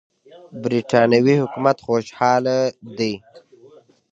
برټانیې حکومت خوشاله دی.